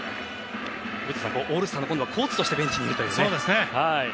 古田さん、オールスターのコーチとしてベンチにいるという。